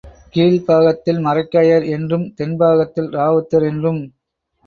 கீழ் பாகத்தில் மரைக்காயர் என்றும், தென்பாகத்தில் ராவுத்தர் என்றும்